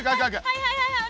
はいはいはいはい。